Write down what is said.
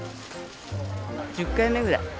１０回目ぐらい。